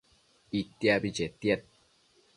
Itiabi chetiad